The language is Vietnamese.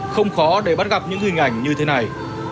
không khó để bắt gặp những hình ảnh như thế này